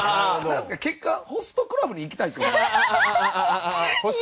結果ホストクラブに行きたいって事？